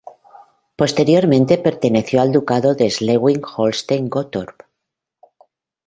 Posteriormente perteneció al ducado de Schleswig-Holstein-Gottorp.